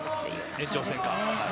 延長戦が。